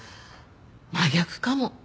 真逆かも。